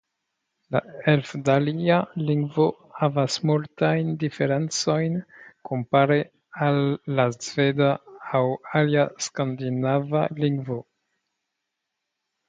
La elfdalia lingvo havas multajn diferencojn kompare al la sveda aŭ alia skandinava lingvo.